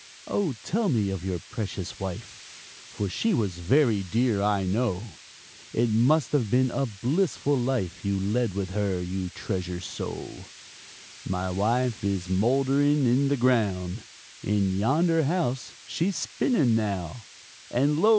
"Oh, tell me of your precious wife, For she was very dear, I know, It must have been a blissful life You led with her you treasure so?" "My wife is mouldering in the ground, In yonder house she's spinning now, And lo!